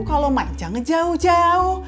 kalau majang jauh jauh